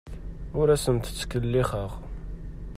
Ur asent-ttkellixeɣ.